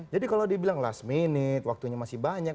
jadi kalau dibilang last minute waktunya masih banyak